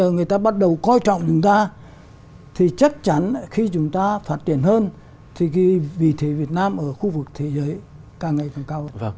người ta bắt đầu coi trọng chúng ta thì chắc chắn khi chúng ta phát triển hơn thì vị thế việt nam ở khu vực thế giới càng ngày càng cao